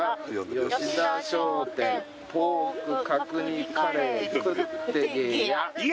「吉田商店ポーク角煮カレー食ってげや！」